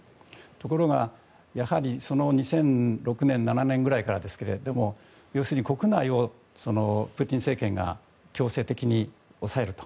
ところが、２００６年２００７年くらいですが要するに国内をプーチン政権が強制的に抑えると。